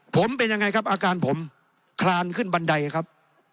ผมเป็นยังไงครับอาการผมคลานขึ้นบันไดครับ